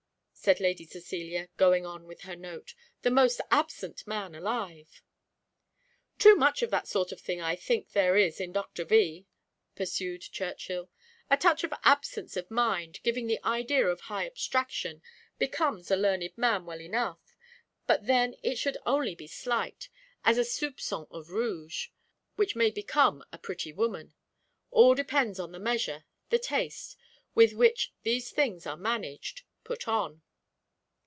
said Lady Cecilia, going on with her note, "the most absent man alive." "Too much of that sort of thing I think there is in Doctor V ," pursued Churchill: "a touch of absence of mind, giving the idea of high abstraction, becomes a learned man well enough; but then it should only be slight, as a soupçon of rouge, which may become a pretty woman; all depends on the measure, the taste, with which these things are managed put on."